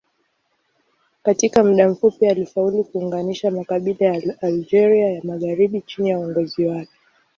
Katika muda mfupi alifaulu kuunganisha makabila ya Algeria ya magharibi chini ya uongozi wake.